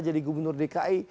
jadi gubernur dki